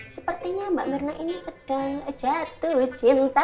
sepertinya mbak mirna ini sedang jatuh cinta